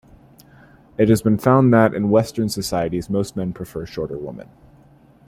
It has been found that, in Western societies, most men prefer shorter women.